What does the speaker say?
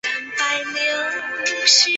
锦江县是越南海阳省下辖的一个县。